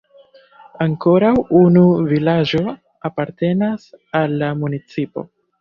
Ankoraŭ unu vilaĝo apartenas al la municipo.